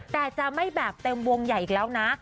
แต่จะไม่แบบเต็มวงใหญ่อีกแล้วนะ